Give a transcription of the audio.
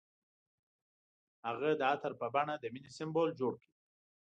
هغه د عطر په بڼه د مینې سمبول جوړ کړ.